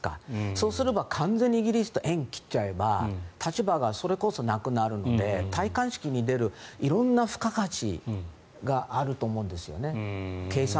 そうすれば完全にイギリスと縁を切っちゃえば立場がそれこそなくなるので戴冠式に出る色んな付加価値があると思うんですよね。